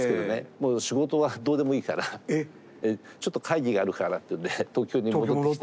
もう仕事はどうでもいいからちょっと会議があるからっていうんで東京に戻ってきて。